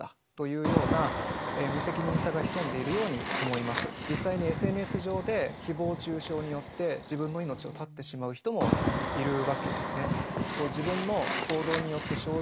例えば実際にＳＮＳ上でひぼう中傷によって自分の命を絶ってしまう人もいるわけですね。